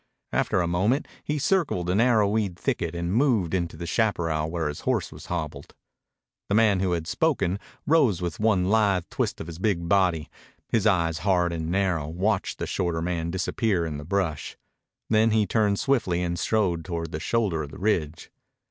After a moment he circled an arrowweed thicket and moved into the chaparral where his horse was hobbled. The man who had spoken rose with one lithe twist of his big body. His eyes, hard and narrow, watched the shorter man disappear in the brush. Then he turned swiftly and strode toward the shoulder of the ridge.